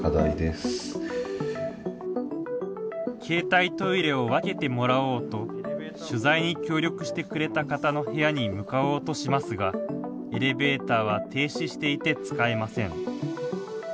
携帯トイレを分けてもらおうと取材に協力してくれた方の部屋に向かおうとしますがエレベーターは停止していて使えません。